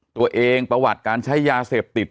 ตัวเองประวัติการใช้ยาเสพติด